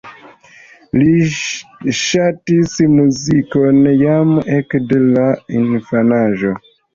Li ŝatis muzikon jam ekde la infanaĝo.